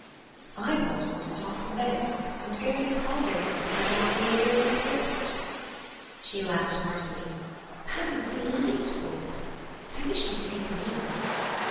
"I want them to start from Venice, and go in a cargo steamer down the Illyrian coast!" She laughed heartily. "Oh, delightful! I wish they'd take me."